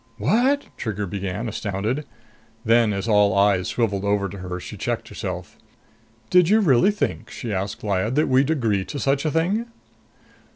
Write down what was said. "Wha...." Trigger began, astounded. Then, as all eyes swiveled over to her, she checked herself. "Did you really think," she asked Lyad, "that we'd agree to such a thing?"